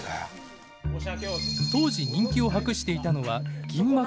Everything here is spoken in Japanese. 当時人気を博していたのは銀幕のスターたち。